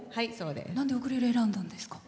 なんでウクレレを選んだんですか？